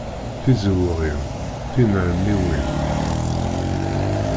Tizewɣin, tinerniwin.